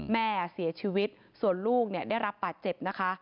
แม่เสียชีวิตลูกได้รับปัดเจ็บ